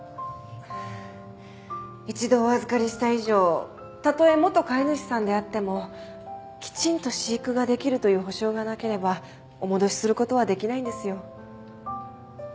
一度お預かりした以上たとえ元飼い主さんであってもきちんと飼育ができるという保証がなければお戻しする事はできないんですよ。